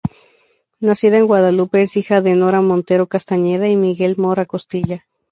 Nacida en Guadalupe, es hija de Nora Montero Castañeda y Miguel Mora Costilla.